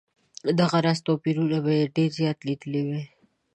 دغه راز توپیرونه به یې ډېر زیات لیدلي وای.